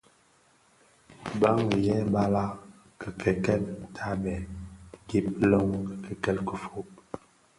Bàng yêê balag kikèèkel tààbêê, gib lóng kikèèkel kifôg.